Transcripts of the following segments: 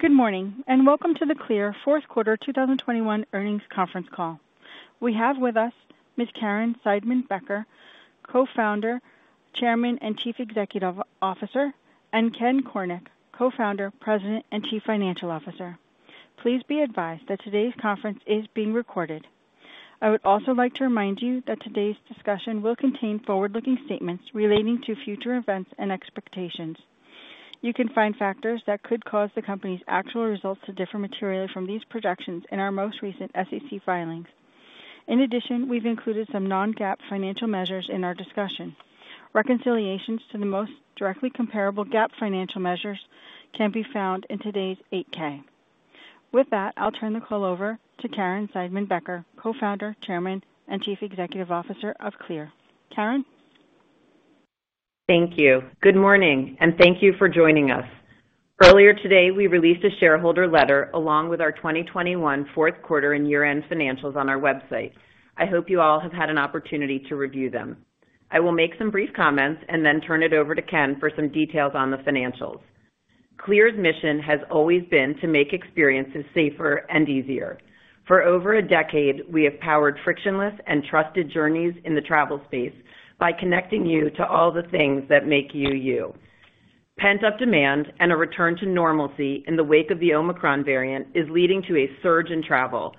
Good morning, and welcome to the CLEAR fourth quarter 2021 earnings conference call. We have with us Ms. Caryn Seidman-Becker, Co-founder, Chairman, and Chief Executive Officer, and Ken Cornick, Co-founder, President, and Chief Financial Officer. Please be advised that today's conference is being recorded. I would also like to remind you that today's discussion will contain forward-looking statements relating to future events and expectations. You can find factors that could cause the company's actual results to differ materially from these projections in our most recent SEC filings. In addition, we've included some non-GAAP financial measures in our discussion. Reconciliations to the most directly comparable GAAP financial measures can be found in today's 8-K. With that, I'll turn the call over to Caryn Seidman-Becker, Co-founder, Chairman, and Chief Executive Officer of CLEAR. Caryn. Thank you. Good morning, and thank you for joining us. Earlier today, we released a shareholder letter along with our 2021 fourth quarter and year-end financials on our website. I hope you all have had an opportunity to review them. I will make some brief comments and then turn it over to Ken for some details on the financials. CLEAR's mission has always been to make experiences safer and easier. For over a decade, we have powered frictionless and trusted journeys in the travel space by connecting you to all the things that make you. Pent-up demand and a return to normalcy in the wake of the Omicron variant is leading to a surge in travel.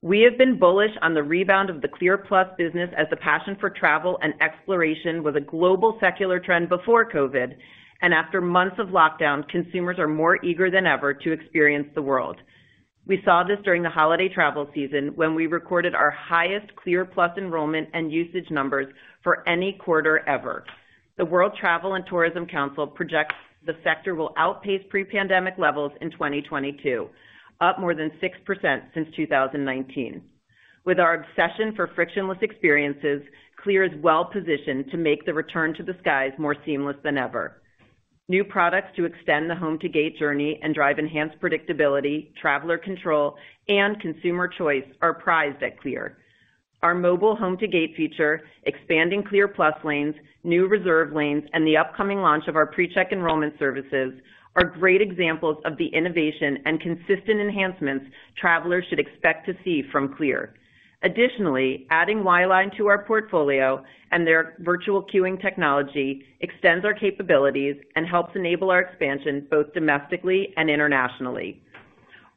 We have been bullish on the rebound of the CLEAR Plus business as the passion for travel and exploration was a global secular trend before COVID, and after months of lockdown, consumers are more eager than ever to experience the world. We saw this during the holiday travel season, when we recorded our highest CLEAR Plus enrollment and usage numbers for any quarter ever. The World Travel & Tourism Council projects the sector will outpace pre-pandemic levels in 2022, up more than 6% since 2019. With our obsession for frictionless experiences, CLEAR is well-positioned to make the return to the skies more seamless than ever. New products to extend the Home to Gate journey and drive enhanced predictability, traveler control, and consumer choice are prized at CLEAR. Our mobile Home to Gate feature, expanding CLEAR Plus lanes, new RESERVE lanes, and the upcoming launch of our PreCheck enrollment services are great examples of the innovation and consistent enhancements travelers should expect to see from CLEAR. Additionally, adding Whyline to our portfolio and their virtual queuing technology extends our capabilities and helps enable our expansion both domestically and internationally.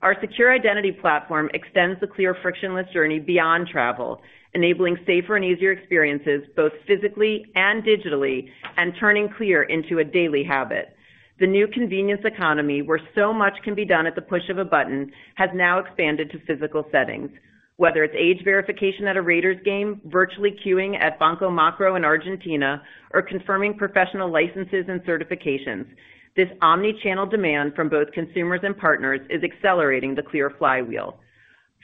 Our secure identity platform extends the CLEAR frictionless journey beyond travel, enabling safer and easier experiences, both physically and digitally, and turning CLEAR into a daily habit. The new convenience economy, where so much can be done at the push of a button, has now expanded to physical settings. Whether it's age verification at a Raiders game, virtually queuing at Banco Macro in Argentina, or confirming professional licenses and certifications, this omni-channel demand from both consumers and partners is accelerating the CLEAR flywheel.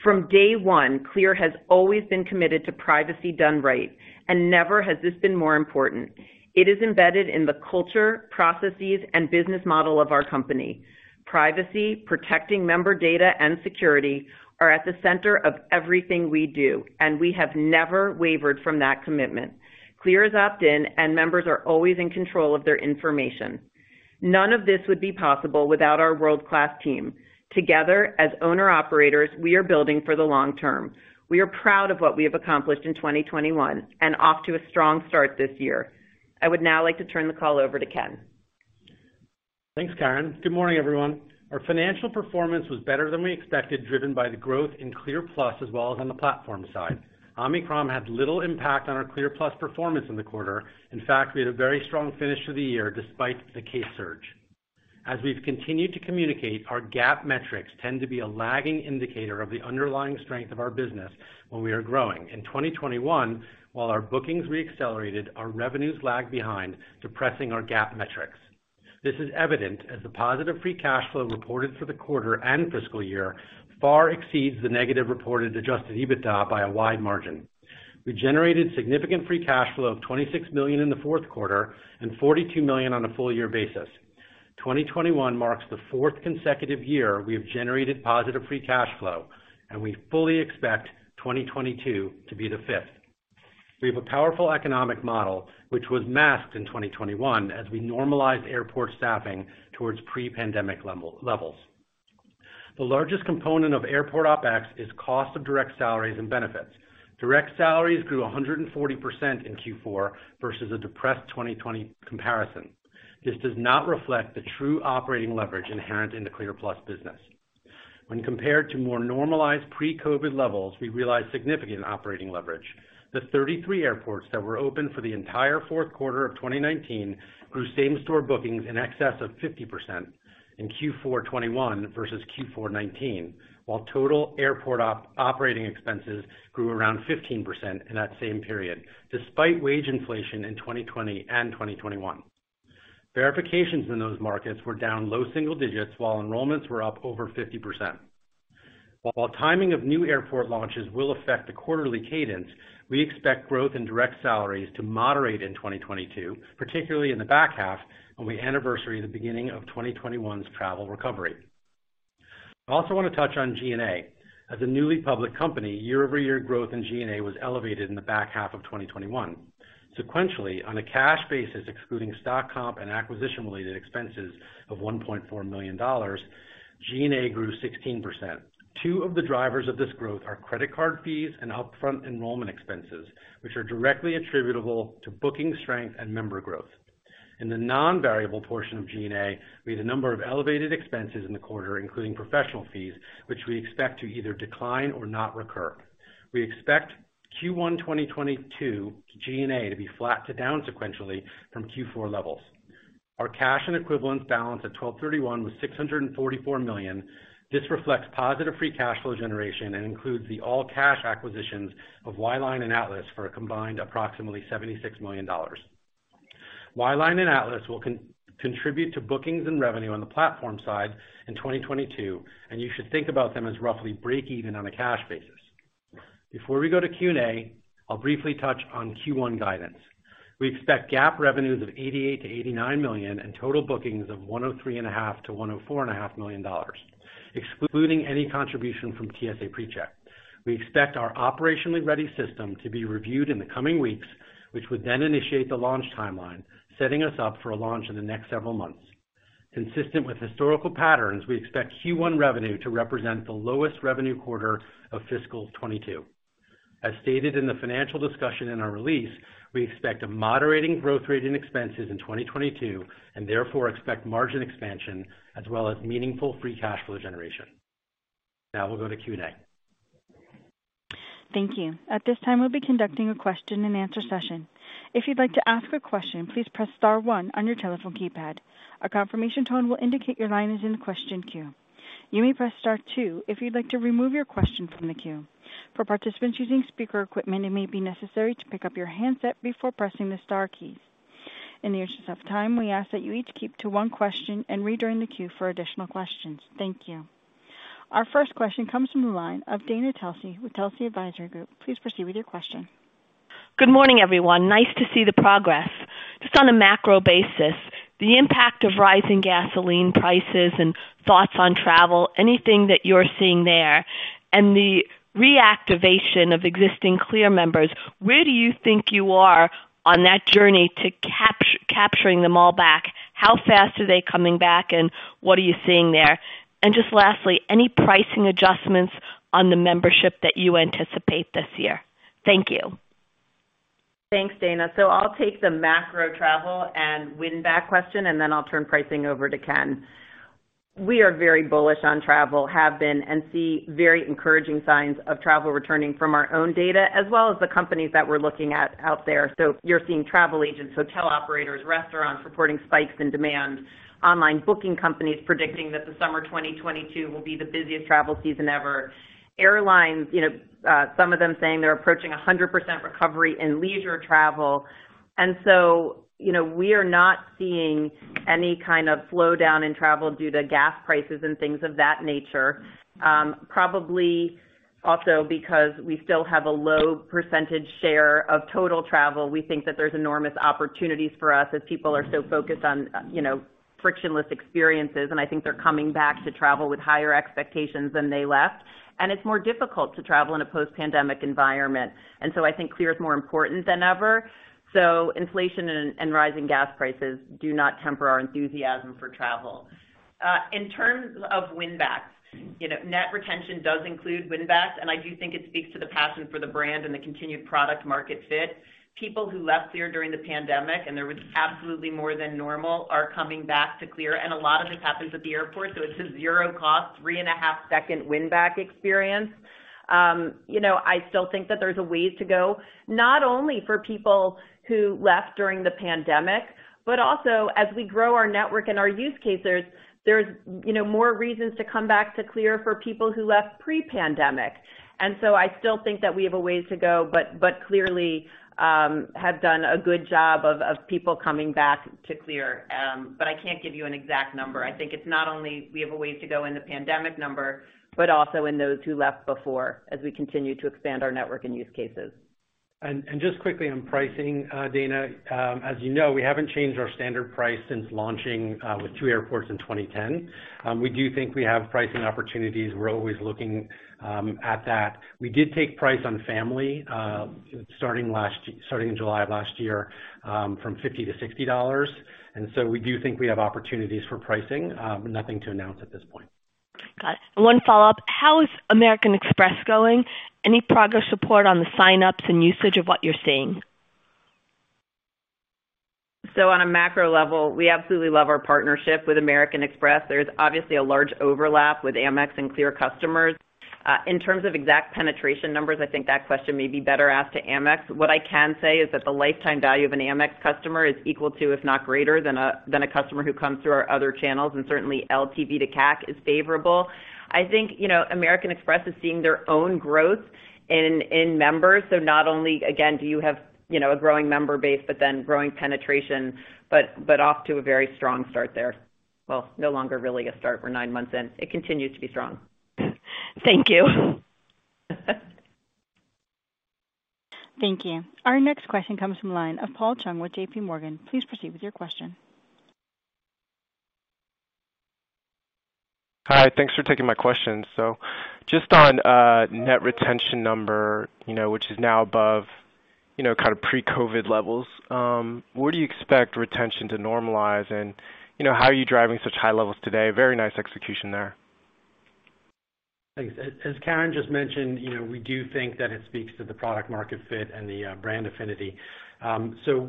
From day one, CLEAR has always been committed to privacy done right, and never has this been more important. It is embedded in the culture, processes, and business model of our company. Privacy, protecting member data, and security are at the center of everything we do, and we have never wavered from that commitment. CLEAR is opt-in, and members are always in control of their information. None of this would be possible without our world-class team. Together, as owner-operators, we are building for the long term. We are proud of what we have accomplished in 2021 and off to a strong start this year. I would now like to turn the call over to Ken. Thanks, Caryn. Good morning, everyone. Our financial performance was better than we expected, driven by the growth in CLEAR Plus as well as on the platform side. Omicron had little impact on our CLEAR Plus performance in the quarter. In fact, we had a very strong finish to the year despite the case surge. As we've continued to communicate, our GAAP metrics tend to be a lagging indicator of the underlying strength of our business when we are growing. In 2021, while our bookings re-accelerated, our revenues lagged behind, depressing our GAAP metrics. This is evident as the positive free cash flow reported for the quarter and fiscal year far exceeds the negative reported adjusted EBITDA by a wide margin. We generated significant free cash flow of $26 million in the fourth quarter and $42 million on a full year basis. 2021 marks the fourth consecutive year we have generated positive free cash flow, and we fully expect 2022 to be the fifth. We have a powerful economic model, which was masked in 2021 as we normalized airport staffing towards pre-pandemic levels. The largest component of airport OpEx is cost of direct salaries and benefits. Direct salaries grew 140% in Q4 versus a depressed 2020 comparison. This does not reflect the true operating leverage inherent in the CLEAR Plus business. When compared to more normalized pre-COVID levels, we realized significant operating leverage. The 33 airports that were open for the entire fourth quarter of 2019 grew same-store bookings in excess of 50% in Q4 2021 versus Q4 2019, while total airport operating expenses grew around 15% in that same period, despite wage inflation in 2020 and 2021. Verifications in those markets were down low single digits%, while enrollments were up over 50%. Timing of new airport launches will affect the quarterly cadence. We expect growth in direct salaries to moderate in 2022, particularly in the back half when we anniversary the beginning of 2021's travel recovery. I also wanna touch on G&A. As a newly public company, year-over-year growth in G&A was elevated in the back half of 2021. Sequentially, on a cash basis, excluding stock comp and acquisition-related expenses of $1.4 million, G&A grew 16%. Two of the drivers of this growth are credit card fees and upfront enrollment expenses, which are directly attributable to booking strength and member growth. In the non-variable portion of G&A, we had a number of elevated expenses in the quarter, including professional fees, which we expect to either decline or not recur. We expect Q1 2022 G&A to be flat to down sequentially from Q4 levels. Our cash and equivalents balance at 12/31 was $644 million. This reflects positive free cash flow generation and includes the all-cash acquisitions of Whyline and Atlas Certified for a combined approximately $76 million. Whyline and Atlas Certified will contribute to bookings and revenue on the platform side in 2022, and you should think about them as roughly breakeven on a cash basis. Before we go to Q&A, I'll briefly touch on Q1 guidance. We expect GAAP revenues of $88 million-$89 million and total bookings of $103.5 million-$104.5 million, excluding any contribution from TSA PreCheck. We expect our operationally ready system to be reviewed in the coming weeks, which would then initiate the launch timeline, setting us up for a launch in the next several months. Consistent with historical patterns, we expect Q1 revenue to represent the lowest revenue quarter of fiscal 2022. As stated in the financial discussion in our release, we expect a moderating growth rate in expenses in 2022, and therefore expect margin expansion as well as meaningful free cash flow generation. Now we'll go to Q&A. Thank you. At this time, we'll be conducting a question-and-answer session. If you'd like to ask a question, please press star one on your telephone keypad. A confirmation tone will indicate your line is in the question queue. You may press star two if you'd like to remove your question from the queue. For participants using speaker equipment, it may be necessary to pick up your handset before pressing the star keys. In the interest of time, we ask that you each keep to one question and rejoin the queue for additional questions. Thank you. Our first question comes from the line of Dana Telsey with Telsey Advisory Group. Please proceed with your question. Good morning, everyone. Nice to see the progress. Just on a macro basis, the impact of rising gasoline prices and thoughts on travel, anything that you're seeing there, and the reactivation of existing CLEAR members, where do you think you are on that journey to capturing them all back? How fast are they coming back, and what are you seeing there? Just lastly, any pricing adjustments on the membership that you anticipate this year? Thank you. Thanks, Dana. I'll take the macro travel and win-back question, and then I'll turn pricing over to Ken. We are very bullish on travel, have been, and see very encouraging signs of travel returning from our own data, as well as the companies that we're looking at out there. You're seeing travel agents, hotel operators, restaurants reporting spikes in demand. Online booking companies predicting that the summer 2022 will be the busiest travel season ever. Airlines, you know, some of them saying they're approaching 100% recovery in leisure travel. You know, we are not seeing any kind of slowdown in travel due to gas prices and things of that nature. Probably also because we still have a low percentage share of total travel. We think that there's enormous opportunities for us as people are so focused on, you know, frictionless experiences. I think they're coming back to travel with higher expectations than they left. It's more difficult to travel in a post-pandemic environment. I think CLEAR is more important than ever. Inflation and rising gas prices do not temper our enthusiasm for travel. In terms of win-backs, you know, net retention does include win-backs, and I do think it speaks to the passion for the brand and the continued product market fit. People who left CLEAR during the pandemic, and there was absolutely more than normal, are coming back to CLEAR. A lot of this happens at the airport, so it's a zero-cost, 3.5-second win-back experience. You know, I still think that there's a ways to go, not only for people who left during the pandemic, but also as we grow our network and our use cases. There's you know more reasons to come back to CLEAR for people who left pre-pandemic. I still think that we have a ways to go, but clearly we have done a good job of people coming back to CLEAR. But I can't give you an exact number. I think it's not only we have a ways to go in the pandemic number, but also in those who left before as we continue to expand our network and use cases. Just quickly on pricing, Dana. As you know, we haven't changed our standard price since launching with two airports in 2010. We do think we have pricing opportunities. We're always looking at that. We did take price on family starting in July of last year from $50-$60. We do think we have opportunities for pricing. Nothing to announce at this point. Got it. One follow-up. How is American Express going? Any progress report on the sign-ups and usage of what you're seeing? On a macro level, we absolutely love our partnership with American Express. There's obviously a large overlap with Amex and CLEAR customers. In terms of exact penetration numbers, I think that question may be better asked to Amex. What I can say is that the lifetime value of an Amex customer is equal to, if not greater than a customer who comes through our other channels, and certainly LTV to CAC is favorable. I think, you know, American Express is seeing their own growth in members. Not only, again, do you have, you know, a growing member base, but then growing penetration, but off to a very strong start there. Well, no longer really a start. We're nine months in. It continues to be strong. Thank you. Thank you. Our next question comes from the line of Paul Chung with J.P. Morgan. Please proceed with your question. Hi. Thanks for taking my questions. Just on net retention number, you know, which is now above, you know, kind of pre-COVID levels, where do you expect retention to normalize and, you know, how are you driving such high levels today? Very nice execution there. Thanks. As Caryn just mentioned, you know, we do think that it speaks to the product market fit and the brand affinity.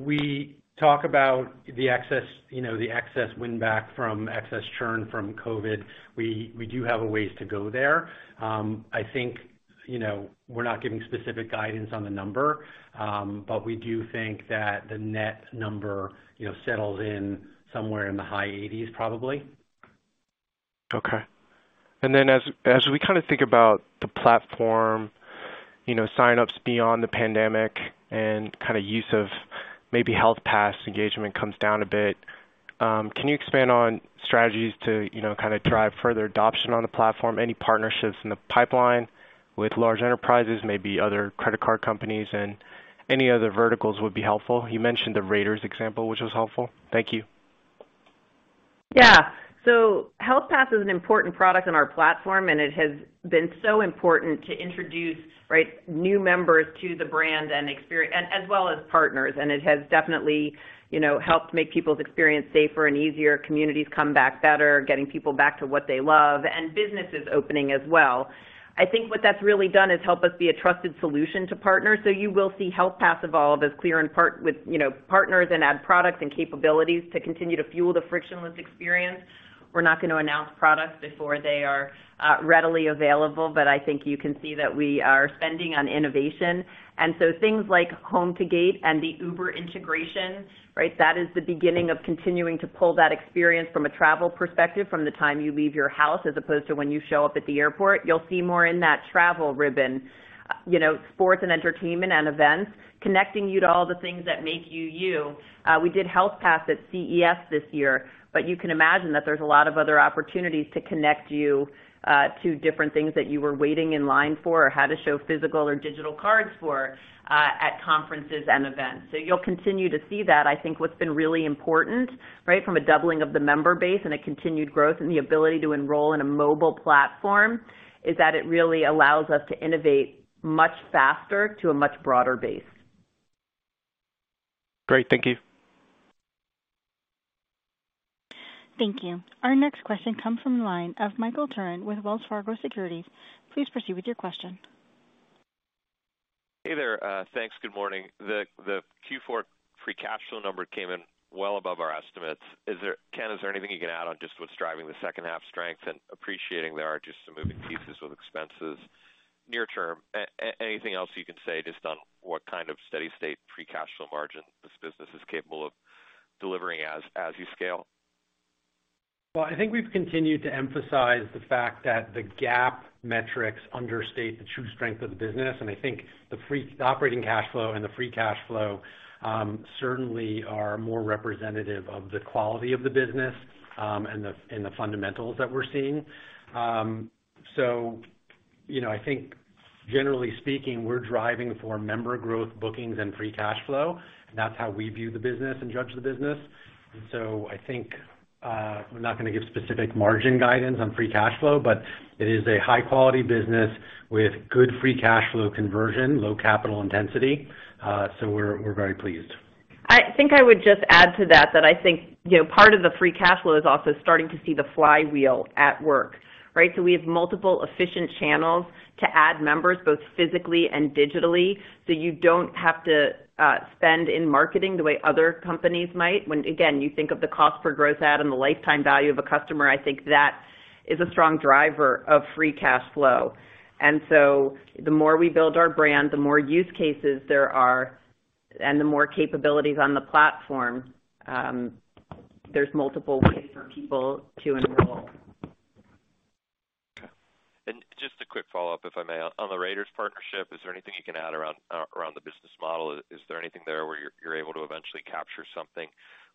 We talk about the excess, you know, the excess win back from excess churn from COVID. We do have a ways to go there. I think, you know, we're not giving specific guidance on the number, but we do think that the net number, you know, settles in somewhere in the high eighties, probably. Okay. As we kinda think about the platform, you know, sign-ups beyond the pandemic and kinda use of maybe Health Pass engagement comes down a bit, can you expand on strategies to, you know, kinda drive further adoption on the platform, any partnerships in the pipeline with large enterprises, maybe other credit card companies and any other verticals would be helpful. You mentioned the Raiders example, which was helpful. Thank you. Yeah. Health Pass is an important product in our platform, and it has been so important to introduce, right, new members to the brand and as well as partners. It has definitely, you know, helped make people's experience safer and easier, communities come back better, getting people back to what they love and businesses opening as well. I think what that's really done is help us be a trusted solution to partners. You will see Health Pass evolve as CLEAR and partner with, you know, partners and add products and capabilities to continue to fuel the frictionless experience. We're not gonna announce products before they are readily available, but I think you can see that we are spending on innovation. Things like Home to Gate and the Uber integration, right? That is the beginning of continuing to pull that experience from a travel perspective from the time you leave your house as opposed to when you show up at the airport, you'll see more in that travel ribbon. You know, sports and entertainment and events, connecting you to all the things that make you you. We did Health Pass at CES this year, but you can imagine that there's a lot of other opportunities to connect you to different things that you were waiting in line for or had to show physical or digital cards for at conferences and events. You'll continue to see that. I think what's been really important, right, from a doubling of the member base and a continued growth and the ability to enroll in a mobile platform, is that it really allows us to innovate much faster to a much broader base. Great. Thank you. Thank you. Our next question comes from the line of Michael Turrin with Wells Fargo Securities. Please proceed with your question. Hey there. Thanks. Good morning. The Q4 free cash flow number came in well above our estimates. Is there, Ken, anything you can add on just what's driving the second half strength and appreciating there are just some moving pieces with expenses near term? Anything else you can say just on what kind of steady state free cash flow margin this business is capable of delivering as you scale? Well, I think we've continued to emphasize the fact that the GAAP metrics understate the true strength of the business, and I think the operating cash flow and the free cash flow certainly are more representative of the quality of the business, and the fundamentals that we're seeing. You know, I think generally speaking, we're driving for member growth, bookings and free cash flow. That's how we view the business and judge the business. I think we're not gonna give specific margin guidance on free cash flow, but it is a high-quality business with good free cash flow conversion, low capital intensity. We're very pleased. I think I would just add to that I think, you know, part of the free cash flow is also starting to see the flywheel at work, right? So we have multiple efficient channels to add members both physically and digitally, so you don't have to spend in marketing the way other companies might. When, again, you think of the cost per gross add and the lifetime value of a customer, I think that is a strong driver of free cash flow. The more we build our brand, the more use cases there are and the more capabilities on the platform, there's multiple ways for people to enroll. Okay. Just a quick follow-up, if I may. On the Raiders partnership, is there anything you can add around the business model? Is there anything there where you're able to eventually capture something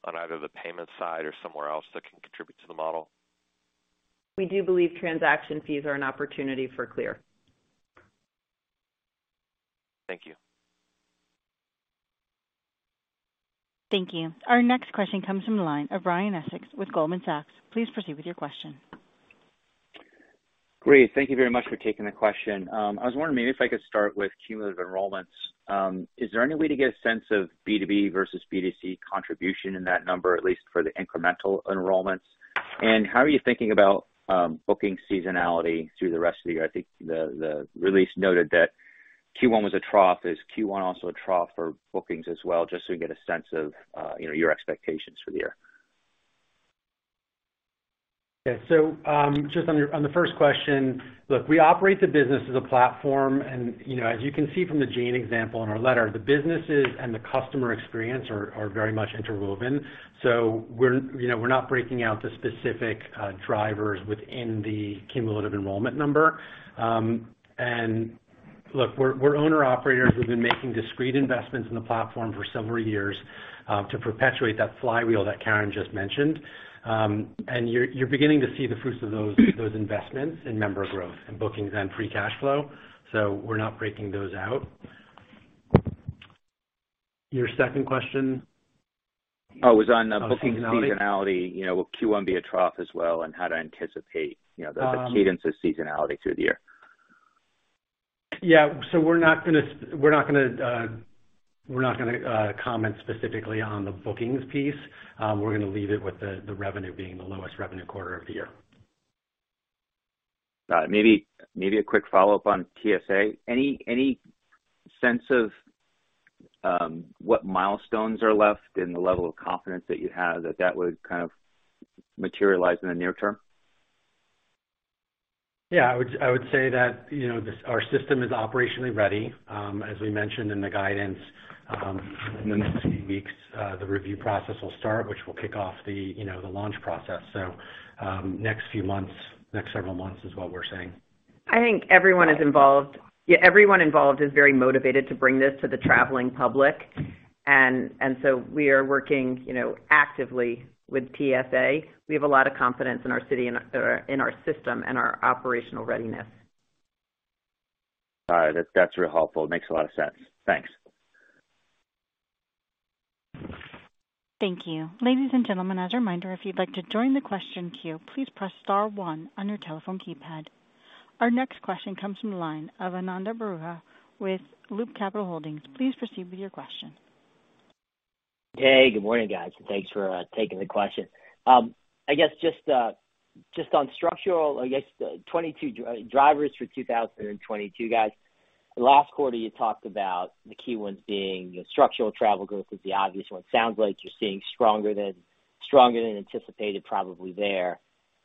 on either the payment side or somewhere else that can contribute to the model? We do believe transaction fees are an opportunity for CLEAR. Thank you. Thank you. Our next question comes from the line of Brian Essex with Goldman Sachs. Please proceed with your question. Great. Thank you very much for taking the question. I was wondering maybe if I could start with cumulative enrollments. Is there any way to get a sense of B2B versus B2C contribution in that number, at least for the incremental enrollments? How are you thinking about booking seasonality through the rest of the year? I think the release noted that Q1 was a trough. Is Q1 also a trough for bookings as well, just so we get a sense of, you know, your expectations for the year. Okay. Just on the first question, look, we operate the business as a platform and, you know, as you can see from the Jane example in our letter, the businesses and the customer experience are very much interwoven. We're, you know, not breaking out the specific drivers within the cumulative enrollment number. Look, we're owner-operators who've been making discrete investments in the platform for several years to perpetuate that flywheel that Caryn just mentioned. You're beginning to see the fruits of those investments in member growth and bookings and free cash flow. We're not breaking those out. Your second question? Booking seasonality, you know, will Q1 be a trough as well, and how to anticipate, you know, the cadence of seasonality through the year? We're not gonna comment specifically on the bookings piece. We're gonna leave it with the revenue being the lowest revenue quarter of the year. Maybe a quick follow-up on TSA. Any sense of what milestones are left and the level of confidence that you have that would kind of materialize in the near term? Yeah, I would say that, you know, our system is operationally ready. As we mentioned in the guidance, in the next few weeks, the review process will start, which will kick off the, you know, the launch process. Next few months, next several months is what we're saying. I think everyone is involved. Yeah, everyone involved is very motivated to bring this to the traveling public. We are working, you know, actively with TSA. We have a lot of confidence in our system and our operational readiness. All right. That's real helpful. It makes a lot of sense. Thanks. Thank you. Ladies and gentlemen, as a reminder, if you'd like to join the question queue, please press star one on your telephone keypad. Our next question comes from the line of Ananda Baruah with Loop Capital Markets. Please proceed with your question. Hey, good morning, guys, and thanks for taking the question. I guess just on structural, I guess 22 drivers for 2022, guys. Last quarter, you talked about the key ones being structural travel growth is the obvious one. Sounds like you're seeing stronger than anticipated probably there.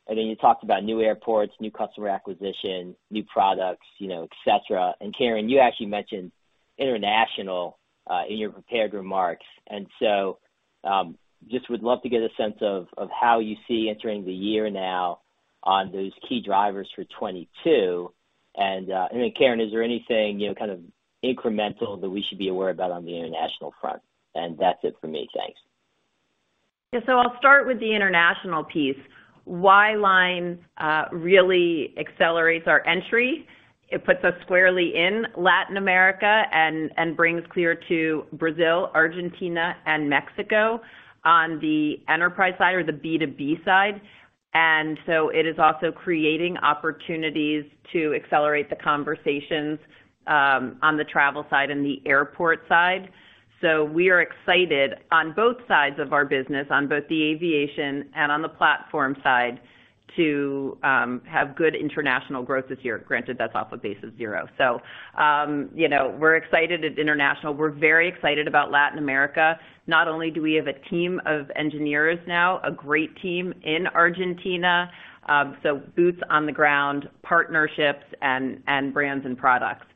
Then you talked about new airports, new customer acquisition, new products, you know, et cetera. Caryn, you actually mentioned international in your prepared remarks. Just would love to get a sense of how you see entering the year now on those key drivers for 22. Then, Caryn, is there anything, you know, kind of incremental that we should be aware about on the international front? That's it for me. Thanks. Yeah. I'll start with the international piece. Whyline really accelerates our entry. It puts us squarely in Latin America and brings CLEAR to Brazil, Argentina, and Mexico on the enterprise side or the B2B side. It is also creating opportunities to accelerate the conversations on the travel side and the airport side. We are excited on both sides of our business, on both the aviation and on the platform side, to have good international growth this year, granted that's off a base of zero. You know, we're excited about international. We're very excited about Latin America. Not only do we have a team of engineers now, a great team in Argentina, so boots on the ground, partnerships and brands and products.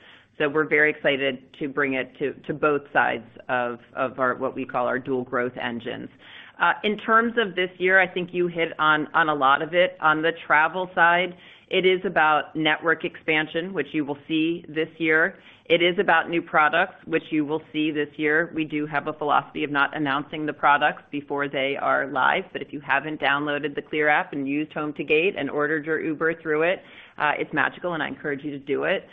We're very excited to bring it to both sides of our what we call our dual growth engines. In terms of this year, I think you hit on a lot of it. On the travel side, it is about network expansion, which you will see this year. It is about new products, which you will see this year. We do have a philosophy of not announcing the products before they are live. But if you haven't downloaded the CLEAR App and used Home to Gate and ordered your Uber through it's magical, and I encourage you to do it.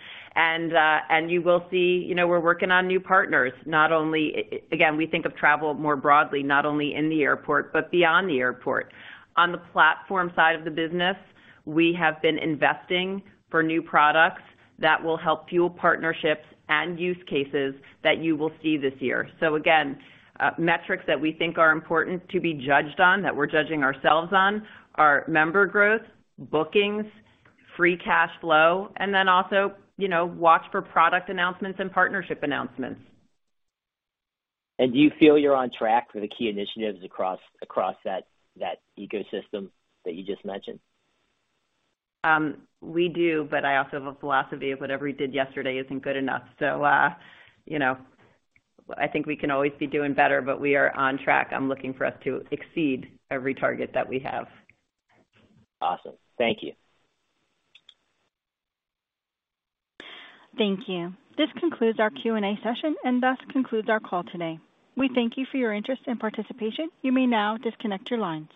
You will see, you know, we're working on new partners, not only again, we think of travel more broadly, not only in the airport, but beyond the airport. On the platform side of the business, we have been investing for new products that will help fuel partnerships and use cases that you will see this year. Again, metrics that we think are important to be judged on, that we're judging ourselves on, are member growth, bookings, free cash flow, and then also, you know, watch for product announcements and partnership announcements. Do you feel you're on track for the key initiatives across that ecosystem that you just mentioned? We do, but I also have a philosophy of whatever we did yesterday isn't good enough. You know, I think we can always be doing better, but we are on track. I'm looking for us to exceed every target that we have. Awesome. Thank you. Thank you. This concludes our Q&A session and thus concludes our call today. We thank you for your interest and participation. You may now disconnect your lines.